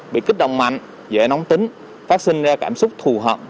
bị kích động mạnh dễ nóng tính phát sinh ra cảm xúc thù hận